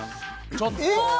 ちょっと。